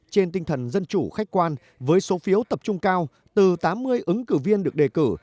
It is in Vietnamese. trên tinh thần dân chủ khách quan với số phiếu tập trung cao từ tám mươi ứng cử viên được đề cử